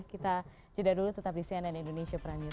oke sudah kita ceda dulu tetap di cnn indonesia prime news